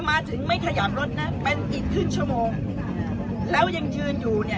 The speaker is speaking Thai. มาถึงไม่ขยับรถนะเป็นอีกครึ่งชั่วโมงแล้วยังยืนอยู่เนี่ย